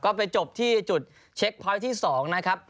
ก็ไปจบที่จุดเช็คพอยต์ที่๒นะครับ